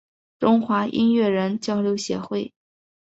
中华音乐人交流协会